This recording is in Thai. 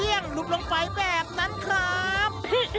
เลี้ยงลุบลงไปแบบนั้นครับ